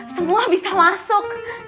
semua bisa masuk